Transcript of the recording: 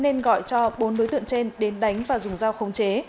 nên gọi cho bốn đối tượng trên đến đánh và dùng giao không chế